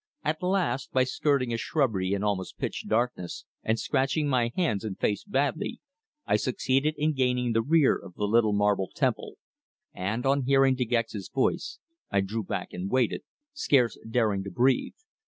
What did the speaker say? At last, by skirting a shrubbery in almost pitch darkness, and scratching my hands and face badly, I succeeded in gaining the rear of the little marble temple, and on hearing De Gex's voice I drew back and waited, scarce daring to breathe.